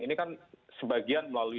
ini kan sebagian melalui